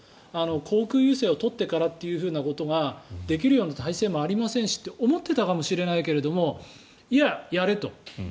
航空優勢を取ってからというようなことができるような体制もありませんしと思っていたかもしれませんがいや、やれと。